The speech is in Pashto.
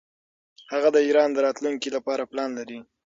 هغه د ایران د راتلونکي لپاره پلان لري.